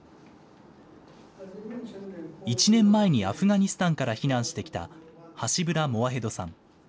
１年前にアフガニスタンから避難してきたハシブラ・モワヘドさん。